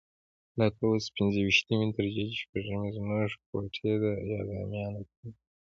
له قوس پنځه ویشتمې تر جدي شپږمې زموږ کوټې د اعدامیانو په نوم وې.